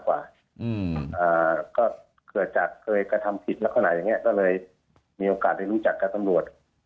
ก็เกิดจากเคยกระทำผิดลักษณะอย่างนี้ก็เลยมีโอกาสได้รู้จักกับตำรวจ